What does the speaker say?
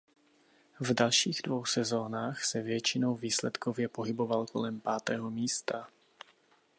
V dalších dvou sezónách se většinou výsledkově pohyboval kolem pátého místa.